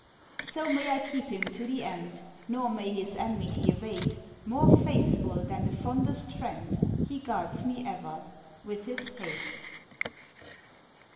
So may I keep him to the end, Nor may his enmity abate: More faithful than the fondest friend, He guards me ever with his hate.